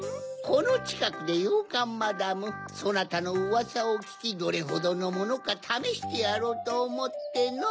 このちかくでヨーカンマダムそなたのうわさをききどれほどのものかためしてやろうとおもっての。